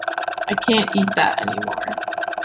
I can’t eat that anymore.